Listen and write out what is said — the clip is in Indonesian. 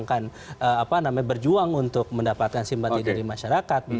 akan berjuang untuk mendapatkan simpati dari masyarakat